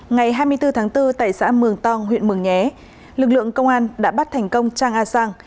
ngày hai mươi bốn tháng bốn tại xã mường tong huyện mường nhé lực lượng công an đã bắt thành công trang a sang